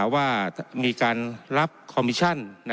ว่ามีการรับคอมมิชั่น